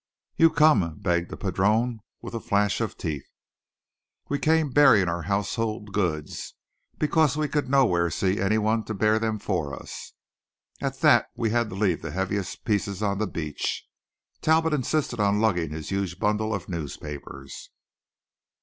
"You com'," begged the padrone, with a flash of teeth. We came bearing our household goods, because we could nowhere see any one to bear them for us. At that we had to leave the heaviest pieces on the beach. Talbot insisted on lugging his huge bundle of newspapers.